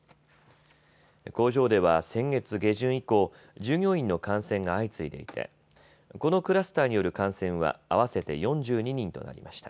工場では先月下旬以降、従業員の感染が相次いでいてこのクラスターによる感染は合わせて４２人となりました。